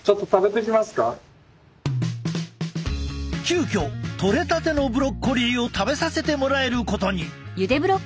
急きょとれたてのブロッコリーを食べさせてもらえることに。